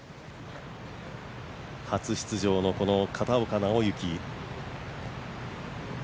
初出場の片岡尚之。